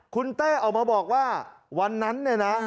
คุณแต้เอามาบอกว่าวันนั้นนะ